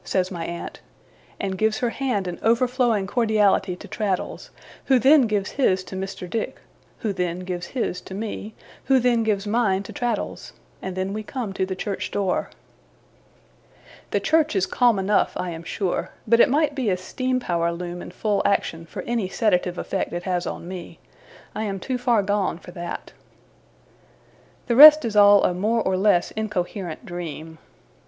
says my aunt; and gives her hand in overflowing cordiality to Traddles, who then gives his to Mr. Dick, who then gives his to me, who then gives mine to Traddles, and then we come to the church door. The church is calm enough, I am sure; but it might be a steam power loom in full action, for any sedative effect it has on me. I am too far gone for that. The rest is all a more or less incoherent dream.